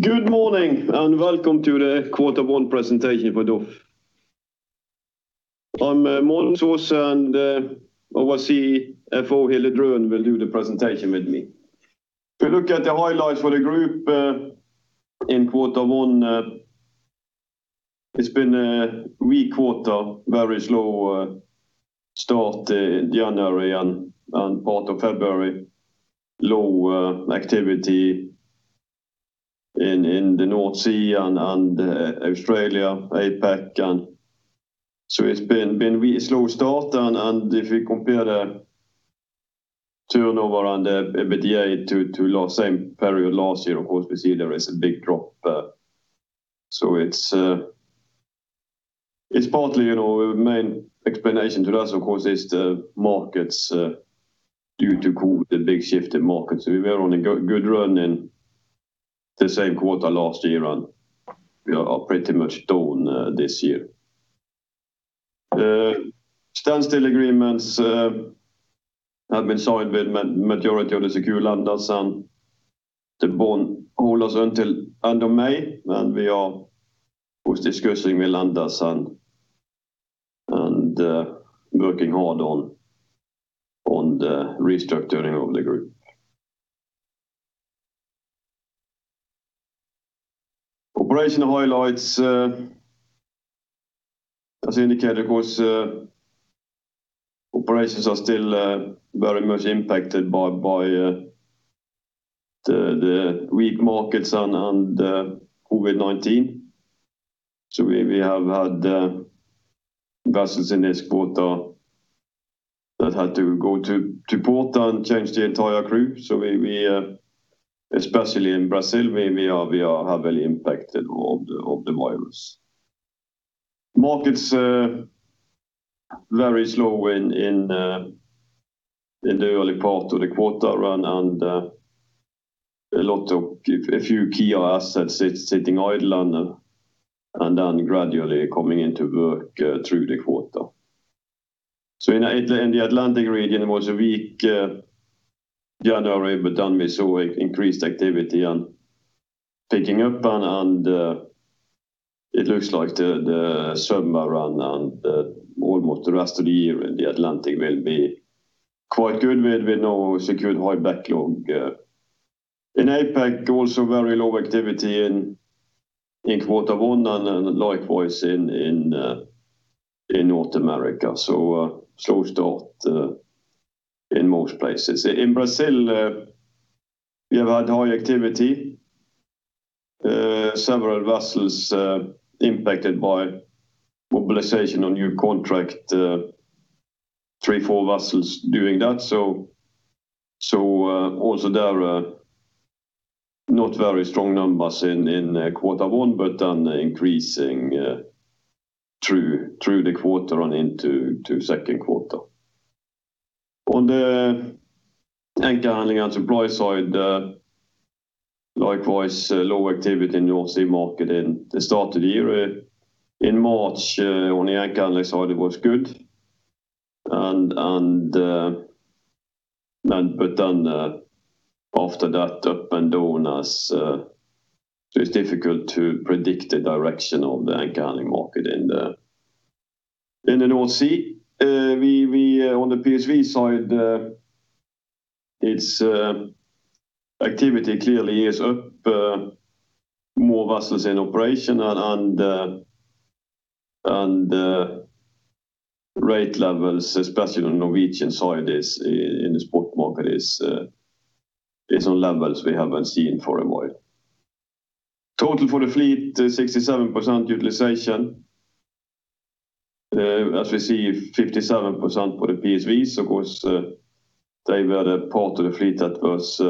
Good morning, welcome to the Quarter One Presentation for DOF. I'm Mons Aase, and obviously CFO Hilde Drønen will do the presentation with me. If you look at the highlights for the group in quarter One, it's been a weak quarter, very slow start in January and part of February. Low activity in the North Sea and Australia, APAC. It's been a very slow start, and if you compare turnover and EBITDA to the same period last year, of course, we see there is a big drop. It's partly, the main explanation for that, of course, is the markets due to COVID, a big shift in markets. We were on a good run in the same quarter last year, and we are pretty much down this year. Standstill agreements have been signed with the majority of our sub-contractors until end of May, and we are of course discussing with them and working hard on the restructuring of the group. Operational highlights, as indicated, of course, operations are still very much impacted by the weak markets and COVID-19. We have had vessels in this quarter that had to go to port and change the entire crew. Especially in Brazil, we are heavily impacted of the virus. Markets very slow in the early part of the quarter and a few key assets sitting idle and then gradually coming into work through the quarter. In the Atlantic region, it was a weak January, but then we saw increased activity and picking up, and it looks like the summer run and almost the rest of the year in the Atlantic will be quite good with a good high backlog. In APAC, also very low activity in quarter One, and likewise in North America. Slow start in most places. In Brazil, we have had high activity, several vessels impacted by mobilization of new contract, three, four vessels doing that. Also there, not very strong numbers in quarter One, but then increasing through the quarter and into second quarter. On the anchor handling and supply side, likewise, low activity in the AHTS market in the start of the year. In March, on the anchor handling side, it was good. After that, up and down. It's difficult to predict the direction of the anchor handling market in the North Sea. On the PSV side, its activity clearly is up, more vessels in operation and rate levels, especially on the Norwegian side in the spot market is on levels we haven't seen for a while. Total for the fleet, 67% utilization. As we see, 57% for the PSV. Of course, there we had a part of the fleet that was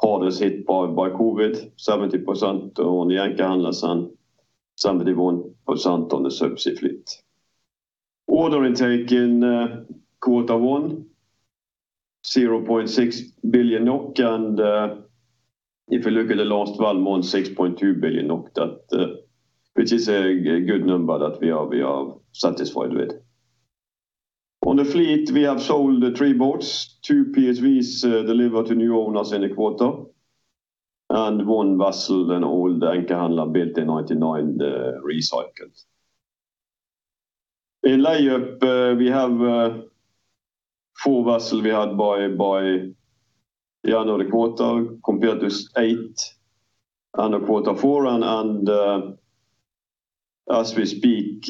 hardest hit by COVID. 70% on the anchor handling and 71% on the subsea fleet. Orders we take in quarter One, 0.6 billion NOK, and if you look at the last 12 months, 6.2 billion NOK. That is a good number that we are satisfied with. On the fleet, we have sold three boats, two PSVs delivered to new owners in the quarter, and one vessel, an older anchor handler, built in 1999, recycled. In layup, we have four vessels we had by January quarter compared eight end of quarter four. As we speak,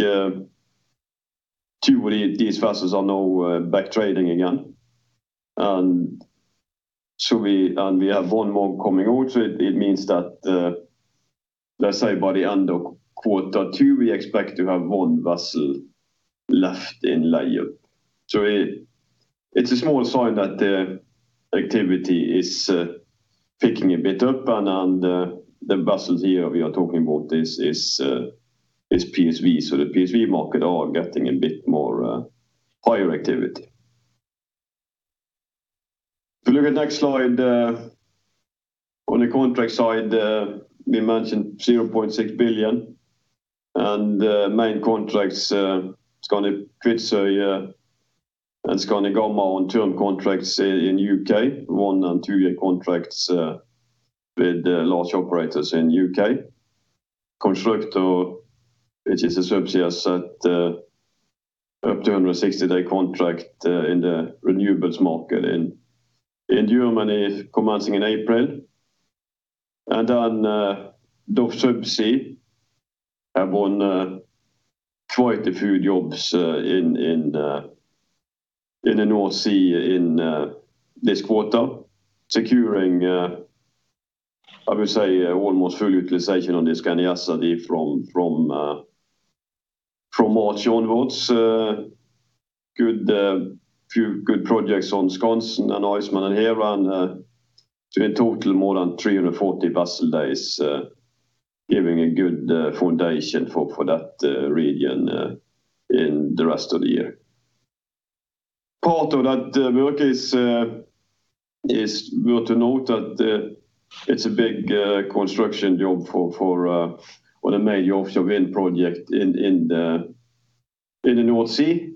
two of these vessels are now back trading again. We have one more coming out. It means that, let's say, by the end of quarter two, we expect to have one vessel left in layup. It's a small sign that the activity is picking a bit up, and the vessel here we are talking about is PSV. The PSV market is getting a bit more higher activity. If you look at next slide, on the contract side, we mentioned 0.6 billion. Main contracts: Skandi Feistein, and Skandi Gamma on two contracts in U.K., one and two-year contracts with large operators in U.K. Skandi Constructor, which is a subsidiary, has set up a 260-day contract in the renewables market in Germany, commencing in April. DOF Subsea have won quite a few jobs in the North Sea in this quarter, securing, I would say almost full utilization of the Skandi Constructor from March onwards. A few good projects on Skandi Iceman and Skandi Skansen. In total more than 340 vessel days, giving a good foundation for that region in the rest of the year. Part of that work is worth to note that it's a big construction job for one of the main offshore wind project in the North Sea,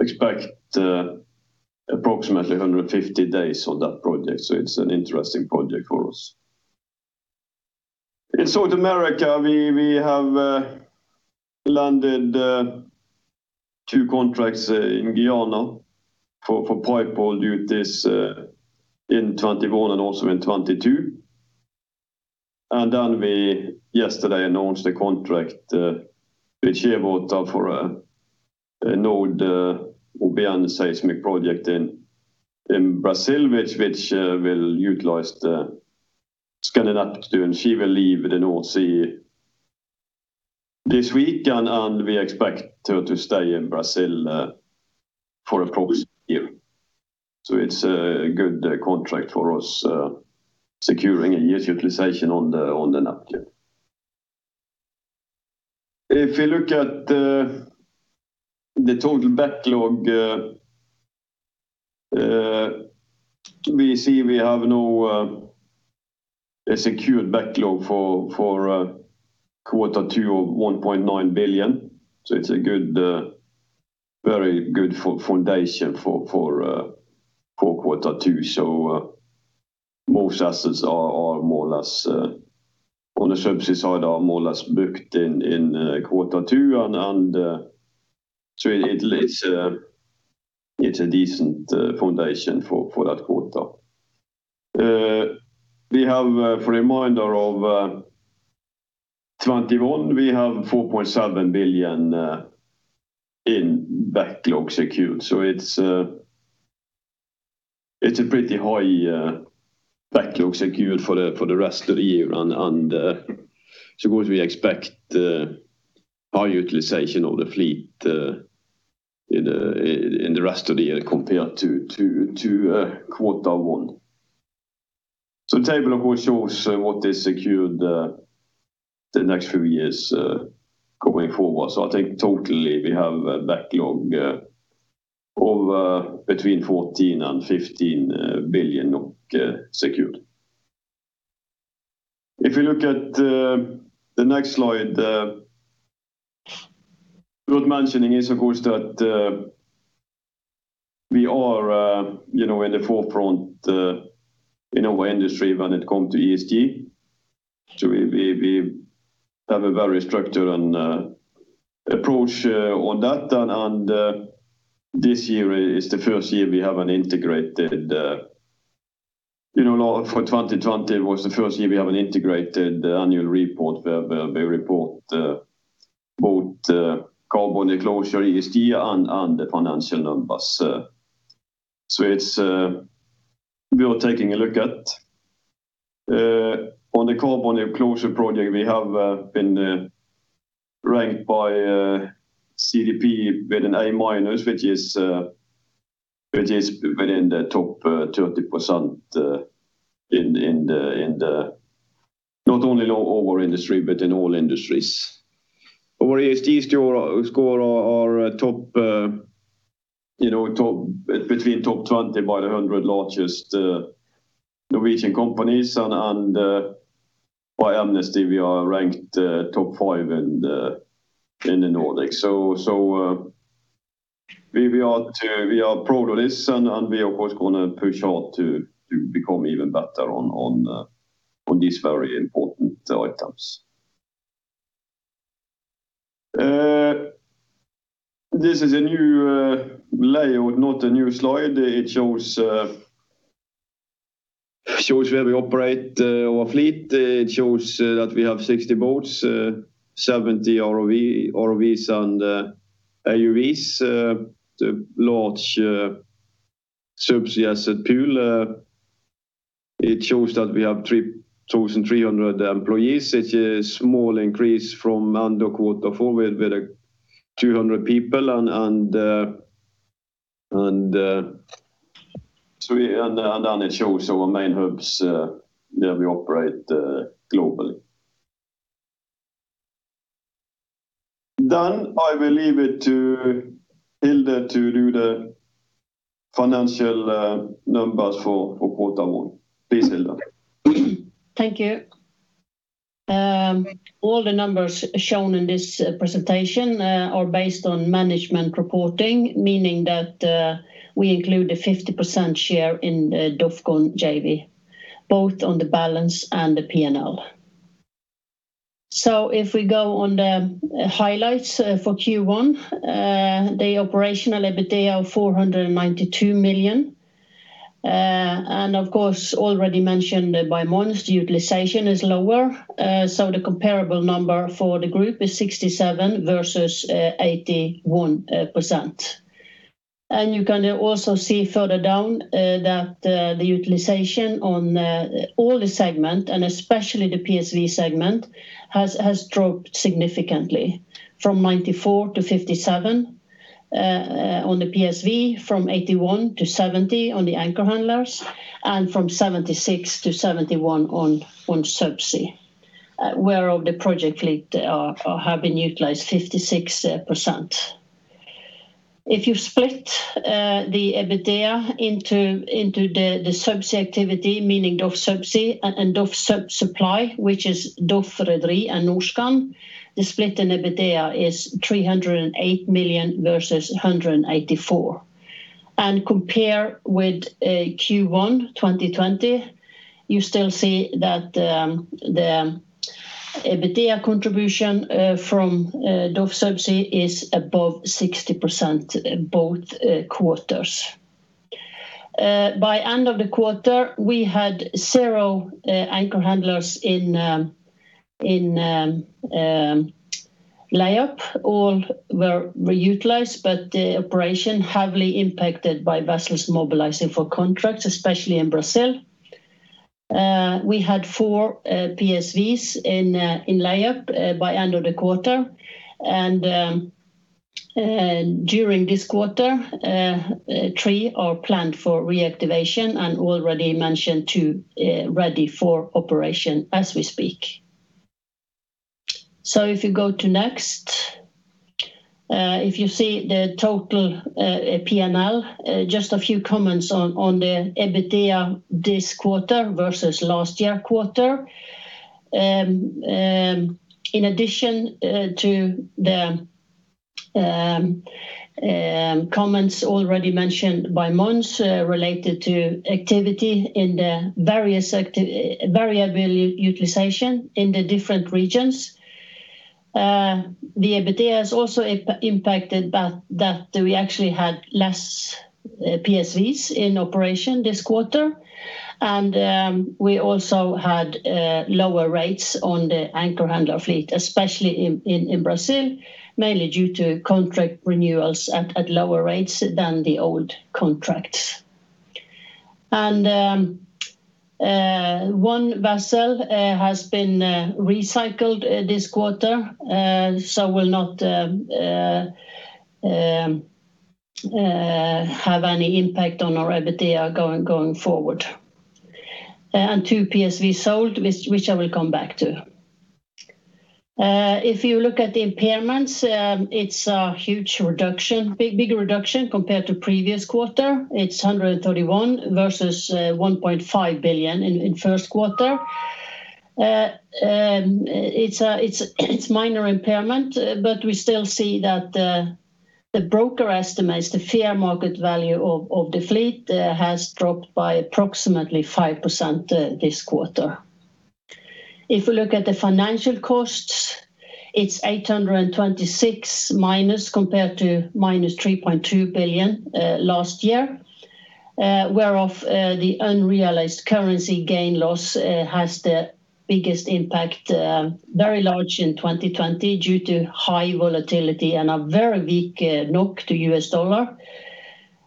expect approximately 150 days on that project. It's an interesting project for us. In South America, we have landed two contracts in Guyana for pipelay duties in 2021 and also in 2022. We yesterday announced a contract with Shearwater GeoServices for an OBN seismic project in Brazil, which will utilize the Skandi Atlantic, she will leave in the North Sea this weekend, and we expect to stay in Brazil for the foreseeable. It's a good contract for us, securing utilization on Atlantic. If you look at the total backlog we see we have now a secured backlog for quarter two of 1.9 billion. It's a very good foundation for quarter two. Most assets on the subsea side are more or less booked in quarter two and it's a decent foundation for that quarter. For the remainder of 2021, we have 4.7 billion in backlog secured. It's a pretty high backlog secured for the rest of the year. Of course, we expect high utilization of the fleet in the rest of the year compared to quarter one. Table below shows what is secured the next few years coming forward. I think totally we have a backlog of between 14 billion and 15 billion secured. If you look at the next slide, worth mentioning is, of course, that we are in the forefront in our industry when it comes to ESG. We have a very structured approach on that. 2020 was the first year we have an integrated annual report where we report both carbon disclosure, ESG, and the financial numbers. It's worth taking a look at. On the Carbon Disclosure Project, we have been ranked by CDP with an A minus, which is within the top 30% in the, not only in our industry, but in all industries. Our ESG score are between top 20 by the 100 largest Norwegian companies and by Amnesty, we are ranked top five in the Nordic. We are proud of this and we, of course, going to push hard to become even better on these very important items. This is a new layout, not a new slide. It shows where we operate our fleet. It shows that we have 60 boats, 70 ROVs and AUVs, large subsea asset pool. It shows that we have 3,300 employees. It's a small increase from end of quarter four with 200 people. It shows our main hubs where we operate globally. I will leave it to Hilde to do the financial numbers for quarter one. Please, Hilde. Thank you. All the numbers shown in this presentation are based on management reporting, meaning that we include a 50% share in the DOFCON JV, both on the balance and the P&L. If we go on the highlights for Q1, the operational EBITDA of 492 million. Of course, already mentioned by Mons Aase, the utilization is lower, so the comparable number for the group is 67% versus 81%. You can also see further down that the utilization on all the segment, and especially the PSV segment, has dropped significantly from 94% to 57% on the PSV, from 81% to 70% on the anchor handlers, and from 76% to 71% on subsea, where all the project fleet have been utilized 56%. If you split the EBITDA into the subsea activity, meaning DOF Subsea and DOF Sub Supply, which is DOF Rederi and Norskan, the split in EBITDA is 308 million versus 184 million. Compare with Q1 2020, you still see that the EBITDA contribution from DOF Subsea is above 60% in both quarters. By end of the quarter, we had zero anchor handlers in layup. All were utilized, but the operation heavily impacted by vessels mobilizing for contracts, especially in Brazil. We had four PSVs in layup by end of the quarter, and during this quarter, three are planned for reactivation and already mentioned two ready for operation as we speak. If you go to next. If you see the total P&L, just a few comments on the EBITDA this quarter versus last year quarter. In addition to the comments already mentioned by Mons Aase related to activity in the variable utilization in the different regions, the EBITDA is also impacted that we actually had less PSVs in operation this quarter. We also had lower rates on the anchor handler fleet, especially in Brazil, mainly due to contract renewals at lower rates than the old contracts. One vessel has been recycled this quarter, so will not have any impact on our EBITDA going forward. Two PSV sold, which I will come back to. If you look at the impairments, it's a bigger reduction compared to previous quarter. It's 131 versus 1.5 billion in first quarter. It's minor impairment, but we still see that the broker estimates the fair market value of the fleet has dropped by approximately 5% this quarter. If you look at the financial costs, it's minus NOK 826 million compared to minus 3.2 billion last year, whereof the unrealized currency gain loss has the biggest impact, very large in 2020 due to high volatility and a very weak NOK to U.S. dollar.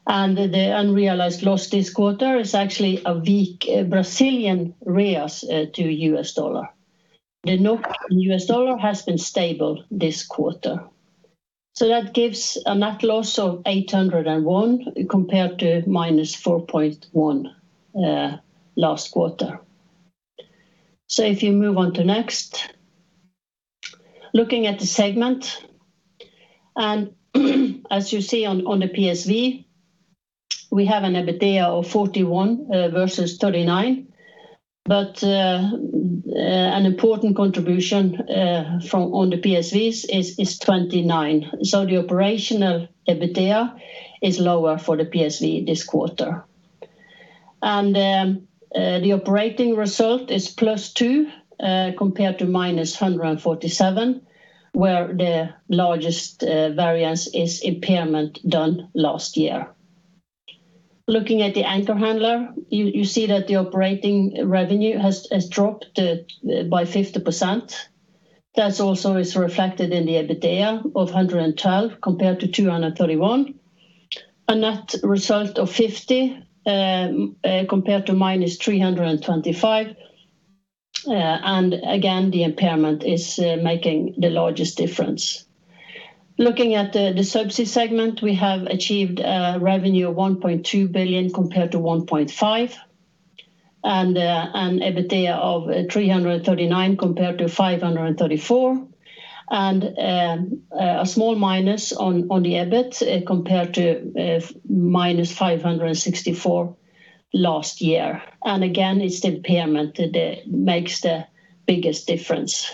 The unrealized loss this quarter is actually a weak Brazilian reais to U.S. dollar. The NOK U.S. dollar has been stable this quarter. That gives a net loss of minus 801 million compared to minus 4.1 billion last quarter. If you move on to next. Looking at the segment, and as you see on the PSV, we have an EBITDA of 41 million versus 39 million, but an important contribution on the PSVs is 29 million. The operational EBITDA is lower for the PSV this quarter. The operating result is plus 2 million compared to minus 147 million, where the largest variance is impairment done last year. Looking at the anchor handler, you see that the operating revenue has dropped by 50%. That also is reflected in the EBITDA of 112 compared to 231. A net result of 50 compared to minus 325. Again, the impairment is making the largest difference. Looking at the subsea segment, we have achieved revenue of 1.2 billion compared to 1.5 and an EBITDA of 339 compared to 534, and a small minus on the EBIT compared to minus 564 last year. Again, it's the impairment that makes the biggest difference.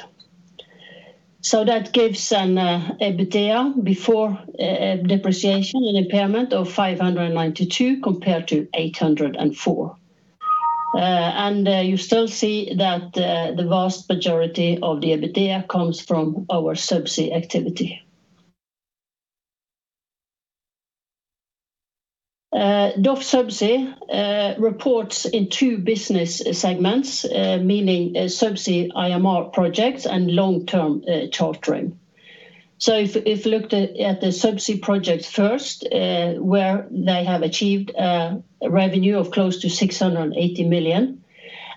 That gives an EBITDA before depreciation and impairment of 592 compared to 804. You still see that the vast majority of the EBITDA comes from our subsea activity. DOF Subsea reports in two business segments, meaning subsea IMR projects and long-term chartering. If you looked at the subsea projects first, where they have achieved a revenue of close to 680 million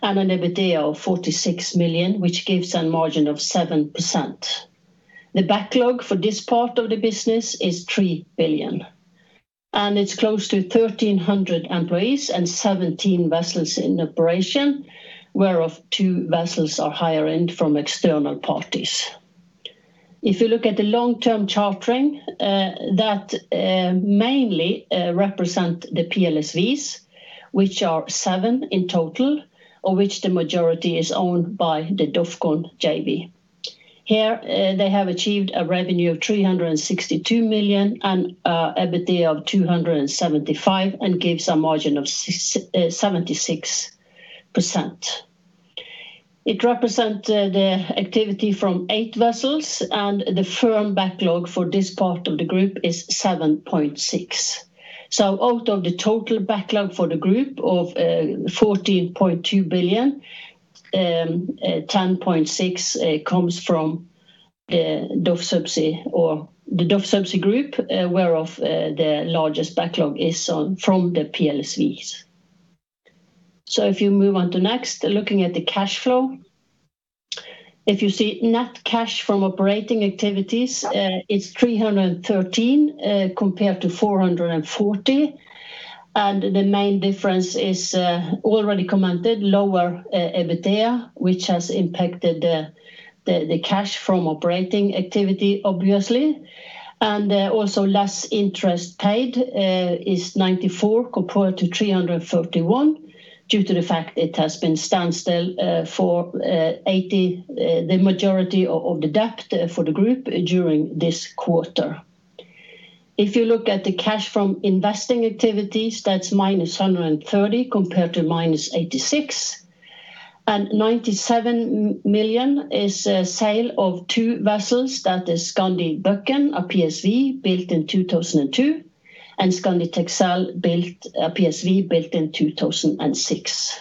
and an EBITDA of 46 million, which gives a margin of 7%. The backlog for this part of the business is 3 billion, and it's close to 1,300 employees and 17 vessels in operation, whereof two vessels are hired in from external parties. If you look at the long-term chartering, that mainly represent the PLSVs, which are seven in total, of which the majority is owned by the DOFCON JV. Here, they have achieved a revenue of 362 million and EBITDA of 275 million and gives a margin of 76%.It represents the activity from eight vessels, and the firm backlog for this part of the group is 7.6 billion. Out of the total backlog for the group of 14.2 billion, 10.6 billion comes from the DOF Subsea or the DOF Subsea group, whereof the largest backlog is from the PLSVs. If you move on to next, looking at the cash flow. If you see net cash from operating activities is 313 million compared to 440 million, the main difference is already commented lower EBITDA, Which has impacted the cash from operating activity, obviously. Also less interest paid is 94 million compared to 331 million due to the fact it has been standstill for the majority of the debt for the group during this quarter. If you look at the cash from investing activities, that's minus 130 million compared to minus 86 million, 97 million is a sale of two vessels that is Skandi Buchan, a PSV built in 2002, and Skandi Texel, a PSV built in 2006.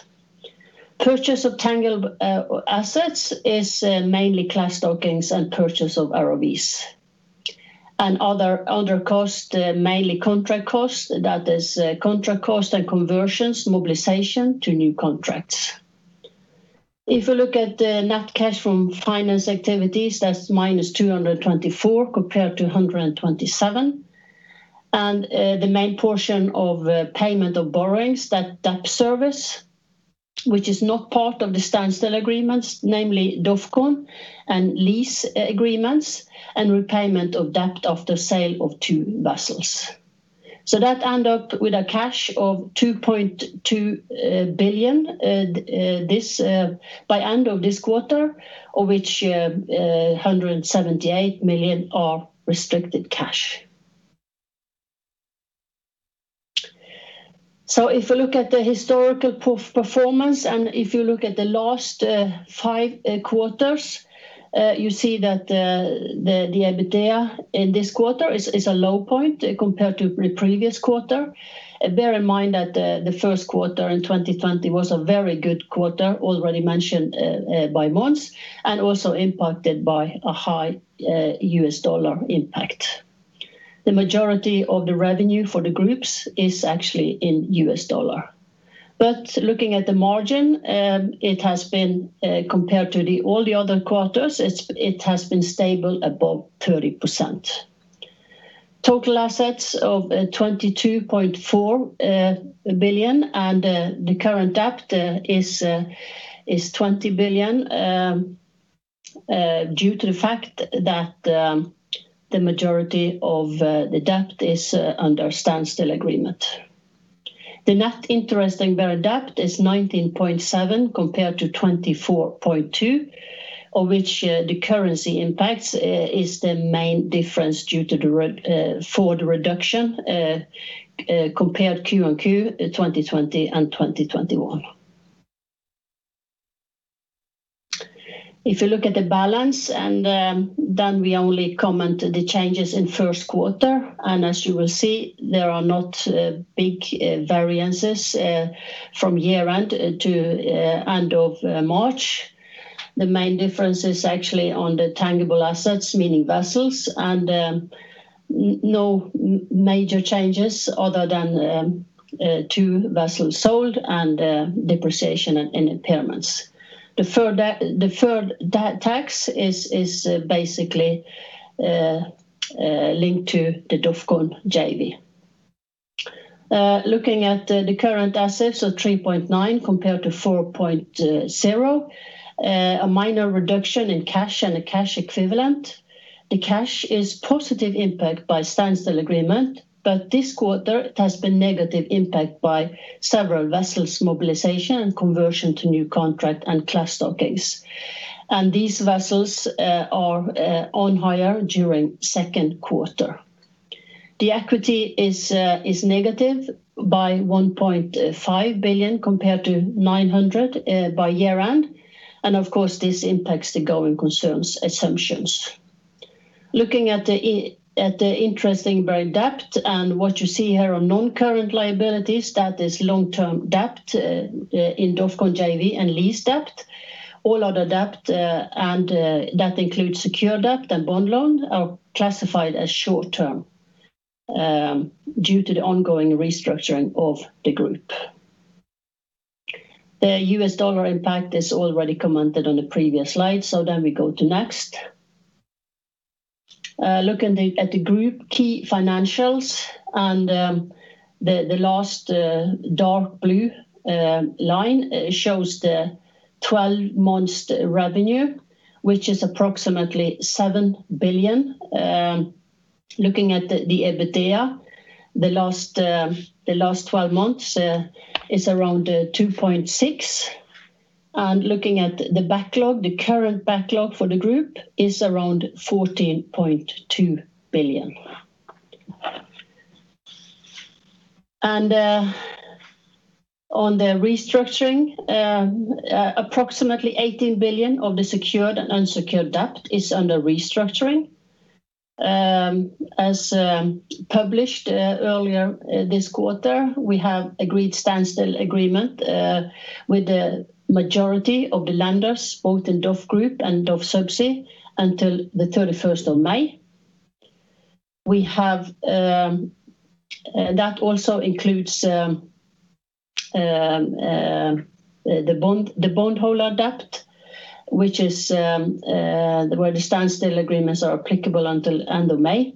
Purchase of tangible assets is mainly class dockings and purchase of ROVs. Other costs, mainly contract costs, that is contract costs and conversions, mobilization to new contracts. If you look at the net cash from finance activities, that's -224 compared to 127. The main portion of payment of borrowings, that debt service, which is not part of the standstill agreements, namely DOFCON and lease agreements, and repayment of debt after sale of two vessels. That end up with a cash of 2.2 billion by end of this quarter, of which 178 million are restricted cash. If you look at the historical performance and if you look at the last five quarters, you see that the EBITDA in this quarter is a low point compared to the previous quarter. Bear in mind that the first quarter in 2020 was a very good quarter, already mentioned by Mons Aase, and also impacted by a high U.S. dollar impact. The majority of the revenue for the groups is actually in U.S. dollar. Looking at the margin, it has been compared to all the other quarters, it has been stable above 30%. Total assets of 22.4 billion the current debt is 20 billion due to the fact that the majority of the debt is under standstill agreement. The net interest-bearing debt is 19.7 billion compared to 24.2 billion, of which the currency impacts is the main difference for the reduction compared quarter-over-quarter, 2020 and 2021. If you look at the balance, then we only comment the changes in first quarter, as you will see, there are not big variances from year-end to end of March. The main difference is actually on the tangible assets, meaning vessels, and no major changes other than two vessels sold and depreciation and impairments. The deferred tax is basically linked to the DOFCON JV. Looking at the current assets of 3.9 compared to 4.0, a minor reduction in cash and a cash equivalent. The cash is positive impact by standstill agreement, but this quarter has been negative impact by several vessels mobilization and conversion to new contract and class dockings. These vessels are on hire during second quarter. The equity is negative by 1.5 billion compared to 900 million by year-end. Of course, this impacts the going concern assumptions. Looking at the interesting by debt and what you see here on non-current liabilities, that is long-term debt in DOF Joint Venture and lease debt. All other debt, and that includes secure debt and bond loan, are classified as short-term due to the ongoing restructuring of the group. The U.S. dollar impact is already commented on the previous slide. We go to next. Look at the group key financials. The last dark blue line shows the 12 months revenue, which is approximately 7 billion. Looking at the EBITDA, the last 12 months is around 2.6 billion. Looking at the backlog, the current backlog for the group is around 14.2 billion. On the restructuring, approximately 18 billion of the secured and unsecured debt is under restructuring. As published earlier this quarter, we have agreed standstill agreement with the majority of the lenders, both in DOF Group and DOF Subsea until the 31st of May. That also includes the bond holder debt, where the standstill agreements are applicable until end of May.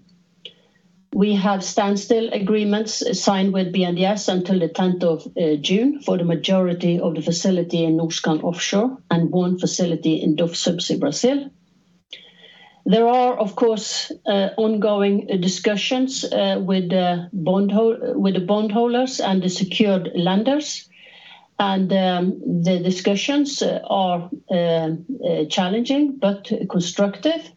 We have standstill agreements signed with BNDES until the 10th of June for the majority of the facility in Norskan Offshore and one facility in DOF Subsea Brazil. There are, of course, ongoing discussions with the bondholders and the secured lenders. The discussions are challenging but constructive.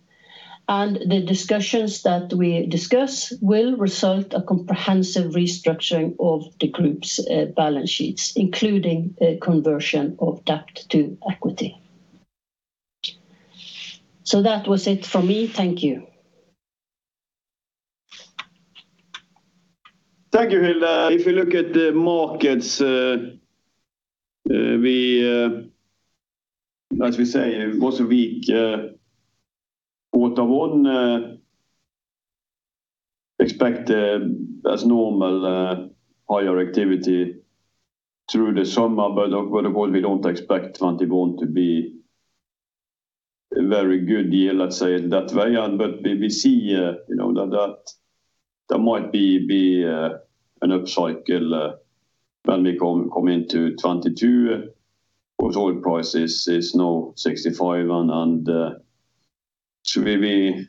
The discussions that we discuss will result a comprehensive restructuring of the group's balance sheets, including the conversion of debt to equity. That was it for me. Thank you. Thank you. If you look at the markets, as we say, it was a weak quarter one. Expect that's normal higher activity through the summer. Of course, we don't expect 2021 to be a very good year, let's say it that way. We see that there might be an upcycle when we come into 2022. Oil price is now $65. The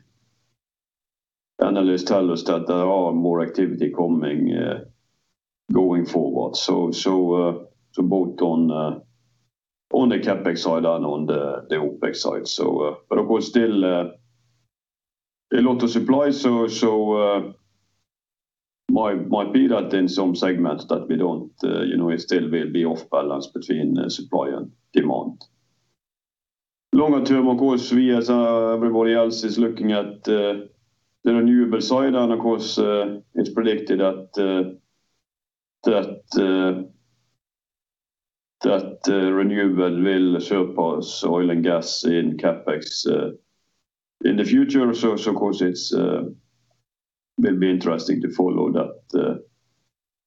analysts tell us that there are more activity coming going forward. Both on the CapEx side and on the OpEx side. There are still a lot of supply, so might be that in some segments that we still will be off balance between supply and demand. Longer term, of course, we as everybody else is looking at the renewable side. Of course, it's predicted that renewable will surpass oil and gas in CapEx in the future. Of course, it will be interesting to follow that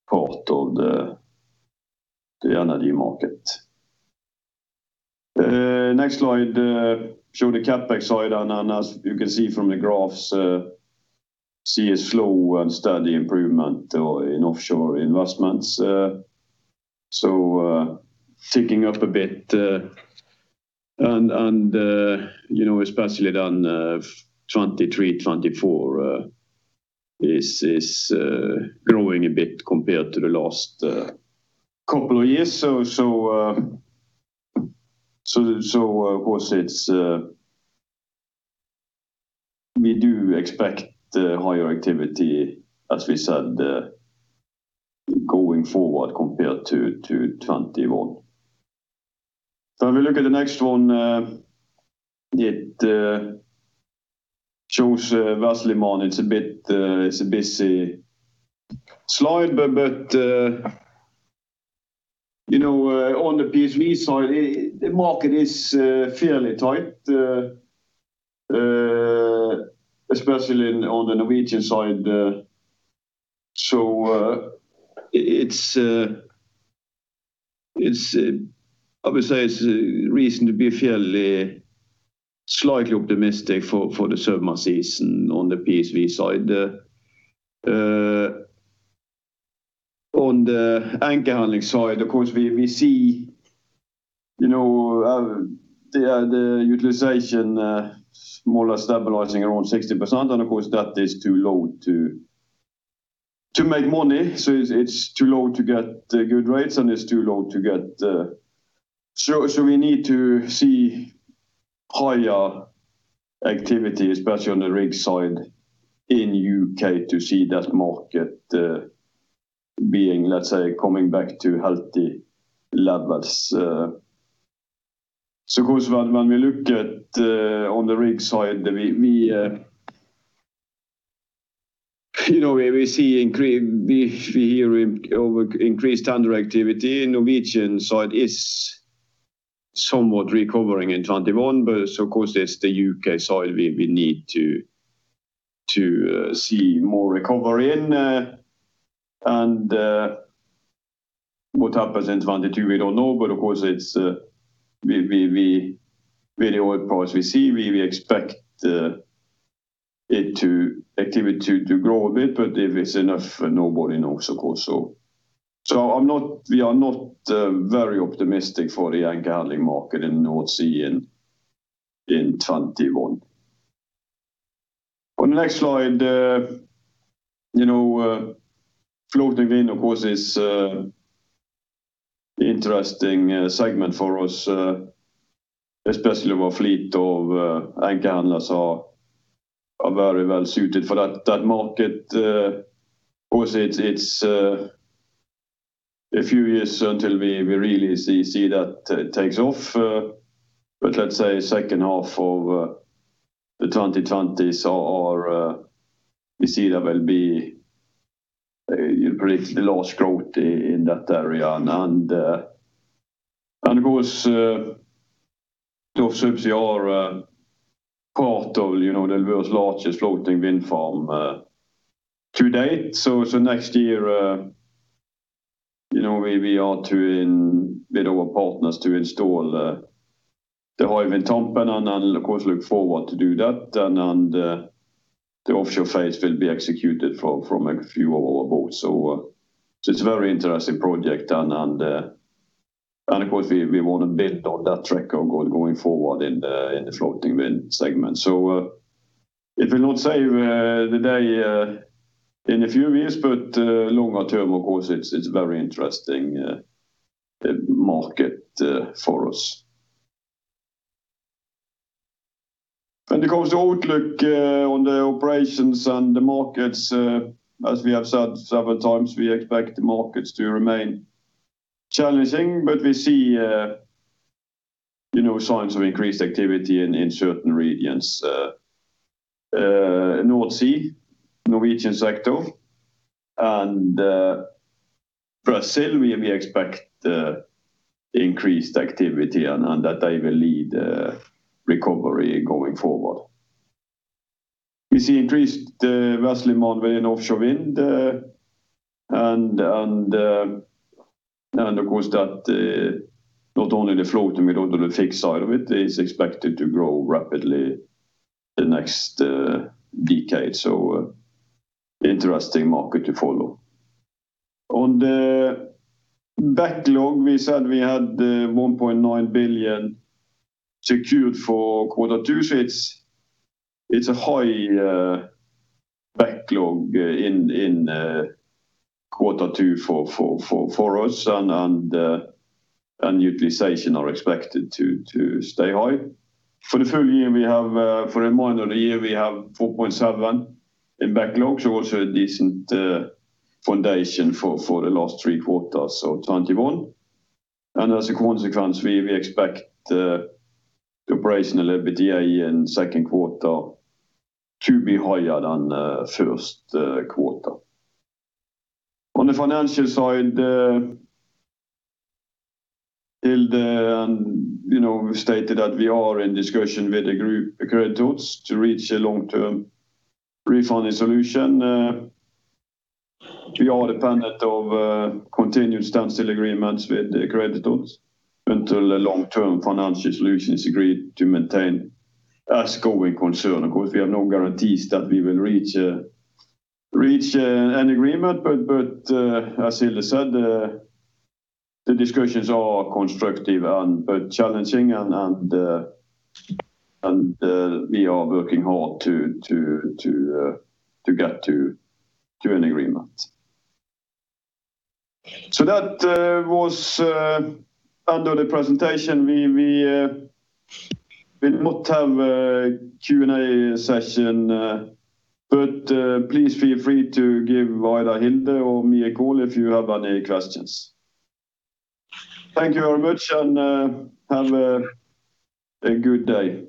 part of the energy market. Next slide shows the CapEx side and as you can see from the graphs, see a slow and steady improvement in offshore investments. Ticking up a bit and especially then 2023, 2024 is growing a bit compared to the last couple of years. Of course, we do expect higher activity, as we said, going forward compared to 2021. If we look at the next one, it shows vessel demand. It's a busy slide. On the PSV side, the market is fairly tight, especially on the Norwegian side. I would say it's reason to be fairly slightly optimistic for the summer season on the PSV side. On the anchor handling side, of course, we see the utilization more or less stabilizing around 60%. Of course, that is too low to make money. It's too low to get good rates, and it's too low to get. We need to see higher activity, especially on the rig side in the U.K. to see that market being, let's say, coming back to healthy levels. Of course, when we look at on the rig side, we hear of increased tender activity. Norwegian side is somewhat recovering in 2021, of course, it's the U.K. side we need to see more recovery in. What happens in 2022, we don't know. Of course, with the oil price we see, we expect activity to grow a bit, but if it's enough, nobody knows, of course. We are not very optimistic for the anchor handling market in North Sea in 2021. On the next slide, floating wind, of course, is an interesting segment for us, especially with our fleet of anchor handlers are very well-suited for that market. It's a few years until we really see that takes off. Let's say second half of the 2020s are we see that will be really large growth in that area. Of course, DOF Subsea are part of the world's largest floating wind farm to date. Next year, we are to, with our partners, to install the Hywind Tampen and of course, look forward to do that. The offshore phase will be executed from a few of our boats. It's a very interesting project, and of course, we want to bid on that track going forward in the floating wind segment. It will not save the day in a few years, but longer term, of course, it is a very interesting market for us. When it comes to outlook on the operations and the markets, as we have said several times, we expect the markets to remain challenging. We see signs of increased activity in certain regions. North Sea, Norwegian sector, and Brazil, we expect increased activity, and that will lead recovery going forward. We see increased vessel demand within offshore wind, and of course that not only the floating wind, but the fixed side of it is expected to grow rapidly the next decade. Interesting market to follow. On the backlog, we said we had 1.9 billion secured for quarter two. It is a high backlog in quarter two for us, and utilization are expected to stay high. For the full year, we have 4.7 in backlog. Also a decent foundation for the last three quarters of 2021. As a consequence, we expect the operational EBITDA in second quarter to be higher than first quarter. On the financial side, still then, we stated that we are in discussion with the creditors to reach a long-term refund solution. We are dependent of continued standstill agreements with the creditors until a long-term financial solution is agreed to maintain as going concern. Of course, we have no guarantees that we will reach an agreement, but as Hilde said, the discussions are constructive but challenging, and we are working hard to get to an agreement. That was under the presentation. We will not have a Q&A session, but please feel free to give Hilde or me a call if you have any questions. Thank you very much and have a good day.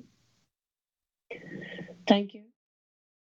Thank you.